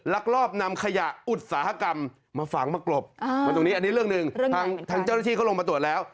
ลักลอบนำขยะอุตสาหกรรมมาฝังมากรบมาตรงนี้อันนี้เรื่องหนึ่งทางเจ้าหน้าที่เขาลงมาตรวจแล้ว